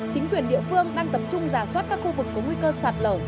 chính quyền địa phương đang tập trung giả soát các khu vực có nguy cơ sạt lở